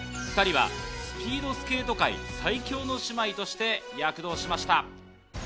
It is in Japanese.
２人はスピードスケート界最強の姉妹として躍動しました。